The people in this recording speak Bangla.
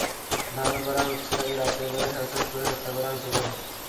ধারণা করা হচ্ছে, তাকে রাতের বেলায় শ্বাসরোধ করে হত্যা করা হতে পারে।